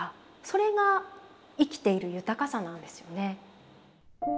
それが生きている豊かさなんですよね。